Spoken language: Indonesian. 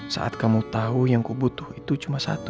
saat kamu tau yakiputuh itu cuma satu